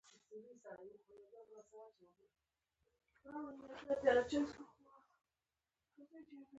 په ګوس سیستم کې ځمکه په دریو او شپږو درجو ویشل کیږي